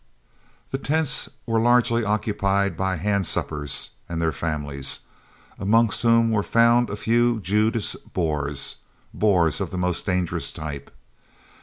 These tents were largely occupied by "handsuppers" and their families, amongst whom were found a few Judas Boers Boers of the most dangerous type.